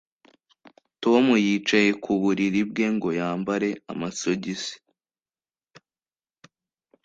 Tom yicaye ku buriri bwe ngo yambare amasogisi